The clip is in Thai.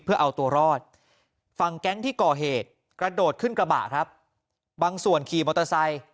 เพื่อเอาตัวรอดฝั่งแก๊งที่ก่อเหตุกระโดดขึ้นกระบะครับบางส่วนขี่มอเตอร์ไซค์